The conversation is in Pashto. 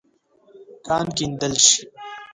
کان کیندل شې.